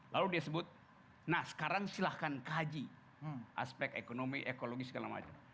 lalu dia sebut nah sekarang silahkan kaji aspek ekonomi ekologi segala macam